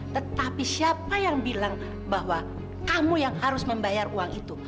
tetapi siapa yang bilang bahwa kamu yang harus membayar uang itu